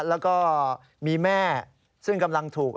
แล้วก็มีแม่ซึ่งกำลังถูก